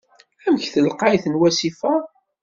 Amek telqayt n wasif-a?